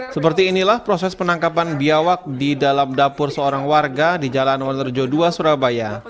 seperti inilah proses penangkapan biawak di dalam dapur seorang warga di jalan wonorerjo ii surabaya